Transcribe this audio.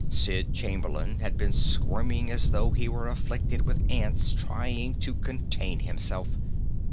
Sid Chamberlain had been squirming as though he were afflicted with ants, trying to contain himself.